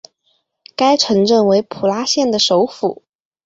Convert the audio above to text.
该城镇为普拉县的首府。